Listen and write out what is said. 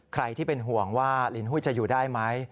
ใครที่เป็นห่วงว่าลินหุ้ยจะอยู่ได้ไหม